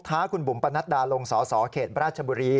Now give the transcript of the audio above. ้าคุณบุ๋มปนัดดาลงสสเขตราชบุรี